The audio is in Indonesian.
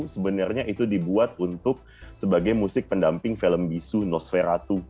sebenarnya itu dibuat untuk sebagai musik pendamping film bisu nosveratu